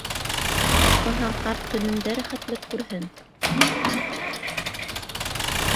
Исмаһам, ҡарт көнөндә рәхәтлек күрһен!